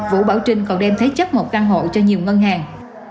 vũ bảo trinh còn đem thế chấp một căn hộ cho nhiều ngân hàng